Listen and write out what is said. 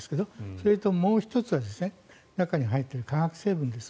それからもう１つは中に入っている化学成分です。